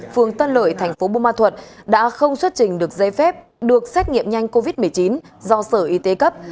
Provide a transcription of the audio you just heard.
phường tân lợi tp bùa ma thuật đã không xuất trình được dây phép được xét nghiệm nhanh covid một mươi chín do sở y tế cấp